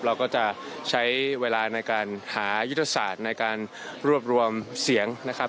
เราก็จะใช้เวลาในการหายุทธศาสตร์ในการรวบรวมเสียงนะครับ